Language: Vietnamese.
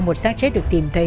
một sát chết được tìm thấy